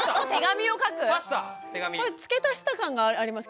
これ付け足した感があります。